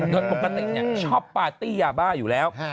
โดยปกติชอบปาร์ตี้ยาบ้าอยู่แล้ว